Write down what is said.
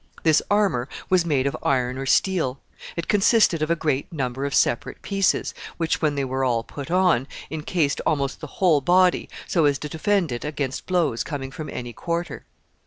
This armor was made of iron or steel. It consisted of a great number of separate pieces, which, when they were all put on, incased almost the whole body, so as to defend it against blows coming from any quarter.